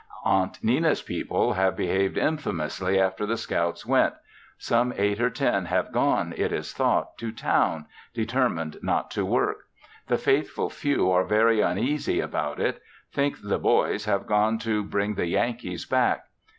Aunt Nenna's people have behaved infamously after the scouts went; some eight or ten have gone, it is thought, to town, determined not to work. The faithful few are very uneasy about it; think the "boys" have gone to bring the Yankees back.